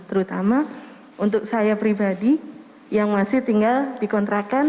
terutama untuk saya pribadi yang masih tinggal dikontrakan